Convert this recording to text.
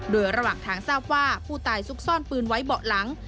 โดยระหว่างทางทราบว่าผู้ตายซุกซ่อนปืนไว้เบาะหลัง